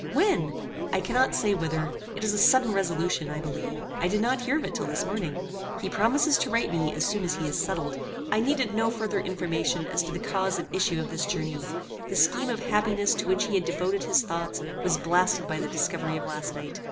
when?" "I cannot say whither. It is a sudden resolution I believe. I did not hear of it till this morning. He promises to write to me as soon as he is settled." I needed no further information as to the cause and issue of this journey. The scheme of happiness to which he had devoted his thoughts was blasted by the discovery of last night.